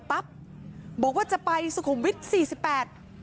กลับมารับทราบ